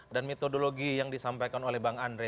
dan metodologi yang disampaikan oleh bang andre